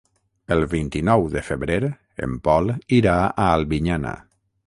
El vint-i-nou de febrer en Pol irà a Albinyana.